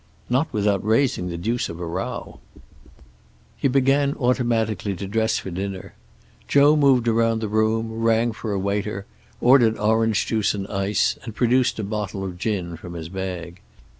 "Not without raising the deuce of a row." He began, automatically, to dress for dinner. Joe moved around the room, rang for a waiter, ordered orange juice and ice, and produced a bottle of gin from his bag.